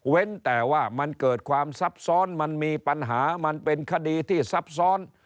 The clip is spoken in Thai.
แต่ว่ามันเกิดความซับซ้อนมันมีปัญหามันเป็นคดีที่ซับซ้อน